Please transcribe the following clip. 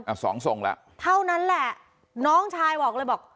อ่ะสองทรงแล้วเท่านั้นแหละน้องชายบอกเลยบอก